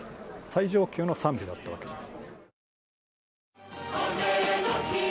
最上級の賛美だったわけです。